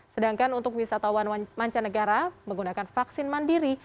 sedangkan untuk wisatawan mancanegara menggunakan vaksin mandiri